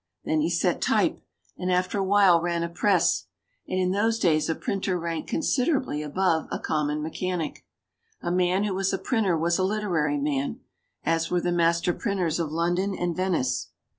Then he set type, and after a while ran a press. And in those days a printer ranked considerably above a common mechanic. A man who was a printer was a literary man, as were the master printers of London and Venice.